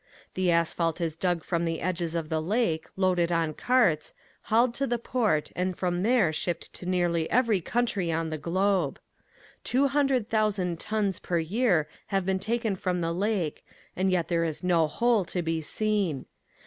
The asphalt is dug from the edges of the lake, loaded on carts, hauled to the port and from there shipped to nearly every country on the globe. Two hundred thousand tons per year have been taken from the lake and yet there is no hole to be seen.